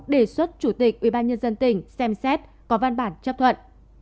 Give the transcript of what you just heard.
đề xuất chủ tịch ubnd tỉnh xem xét có văn bản chấp thuận